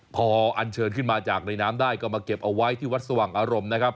พออันเชิญขึ้นมาจากในน้ำได้ก็มาเก็บเอาไว้ที่วัดสว่างอารมณ์นะครับ